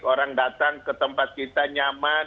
orang datang ke tempat kita nyaman